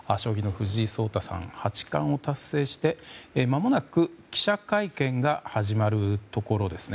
将棋の藤井聡太さん八冠を達成してまもなく記者会見が始まるところですね。